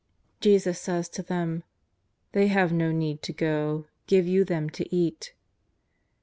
Jesus says to them :^^ They have no need to go, give you them to eat."